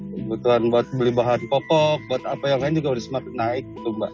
kebutuhan buat beli bahan popok buat apa yang lain juga udah semakin naik